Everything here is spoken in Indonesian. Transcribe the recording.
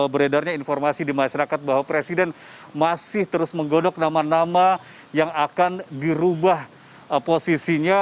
karena beredarnya informasi di masyarakat bahwa presiden masih terus menggodok nama nama yang akan dirubah posisinya